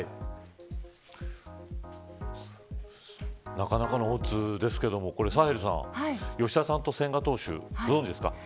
なかなかのオッズですけれどもサヘルさん吉田さんと千賀投手ご存じですか。